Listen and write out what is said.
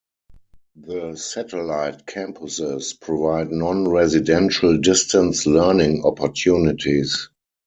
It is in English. The satellite campuses provide non-residential distance learning opportunities.